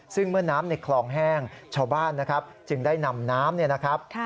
ซึ่งเมื่อน้ำในคลองแห้งชาวบ้านนะครับจึงได้นำน้ำ